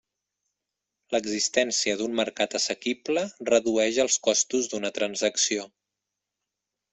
L'existència d'un mercat assequible redueix els costos d'una transacció.